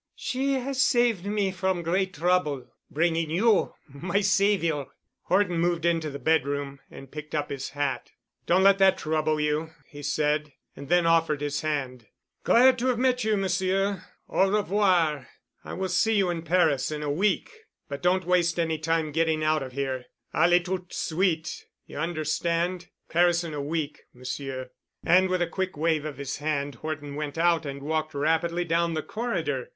"She has saved me from great trouble, bringing you, my savior——" Horton moved into the bed room and picked up his hat. "Don't let that trouble you," he said, and then offered his hand. "Glad to have met you, Monsieur. Au revoir. I will see you in Paris in a week. But don't waste any time getting out of here. Allez—tout de suite, you understand. Paris in a week, Monsieur." And with a quick wave of his hand Horton went out and walked rapidly down the corridor.